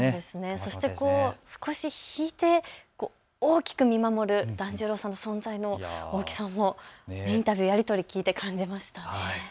そして、こう少し引いて大きく見守る團十郎さんの存在の大きさもインタビューのやり取りを聞いて感じました。